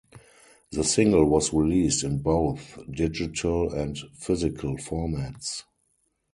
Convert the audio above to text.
The single was released in both digital and physical formats.